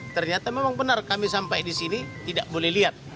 ternyata memang benar kami sampai di sini tidak boleh lihat